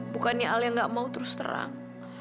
bukannya alia gak mau terus terang